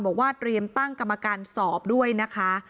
บอกว่าเตรียมตั้งกรรมการสอบด้วยนะคะ